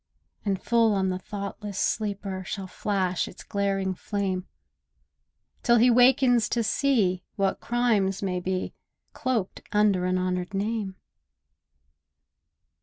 And full on the thoughtless sleeper Shall flash its glaring flame, Till he wakens to see what crimes may be Cloaked under an honoured name.